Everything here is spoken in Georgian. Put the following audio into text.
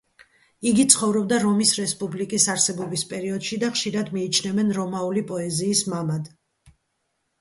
იგი ცხოვრობდა რომის რესპუბლიკის არსებობის პერიოდში და ხშირად მიიჩნევენ რომაული პოეზიის მამად.